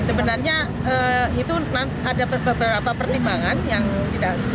sebenarnya itu ada beberapa pertimbangan yang tidak